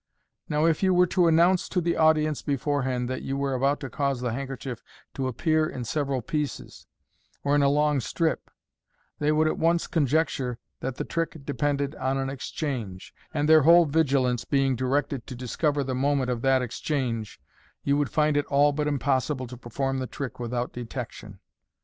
Now, if you were to announce to the audience beforehand that you were about to cause the handkerchief to appear in several pieces, or in a long strip, they would at once conjecture that the trick depended on an exchange, and their whole vigilance being directed to discover the moment of that exchange, you would find it all but impossible to perform the trick without detection.